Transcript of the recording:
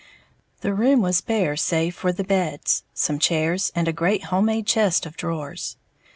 The room was bare save for the beds, some chairs, and a great homemade chest of drawers.